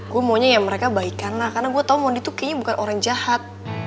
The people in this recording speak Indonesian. gua maunya ya mereka baik karena gua tau mondi tuh kayaknya bukan orang jahat